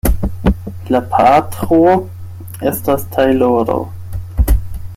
La patro estas tajloro.